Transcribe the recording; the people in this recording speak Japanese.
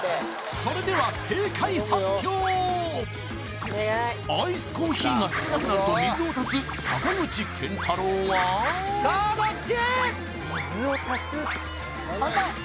それではアイスコーヒーが少なくなると水を足す坂口健太郎はさあどっち？